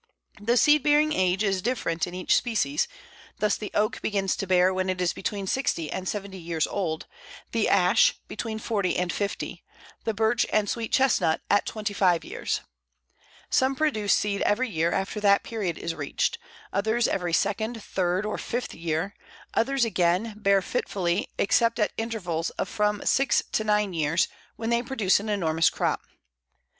The seed bearing age is different in each species; thus the Oak begins to bear when it is between sixty and seventy years old, the Ash between forty and fifty, the Birch and Sweet Chestnut at twenty five years. Some produce seed every year after that period is reached, others every second, third, or fifth year; others, again, bear fitfully except at intervals of from six to nine years, when they produce an enormous crop.